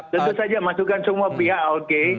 tentu saja masukan semua pihak oke